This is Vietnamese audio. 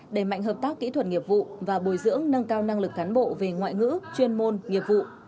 đẩy mạnh hợp tác kỹ thuật nghiệp vụ và bồi dưỡng nâng cao năng lực cán bộ về ngoại ngữ chuyên môn nghiệp vụ